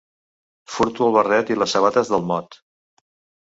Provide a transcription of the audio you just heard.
Furto el barret i les sabates del mot.